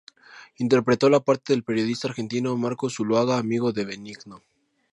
Interpretó la parte del periodista argentino Marco Zuluaga, amigo de Benigno.